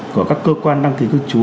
của các cơ quan đăng ký cư trú